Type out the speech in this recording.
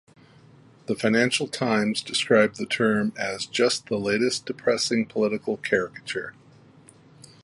The "Financial Times" described the term as "just the latest depressing political caricature".